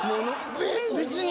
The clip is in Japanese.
別に。